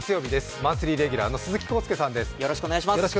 マンスリーレギュラーの鈴木浩介さんです。